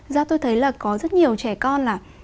ra tôi thấy là có rất nhiều trẻ con là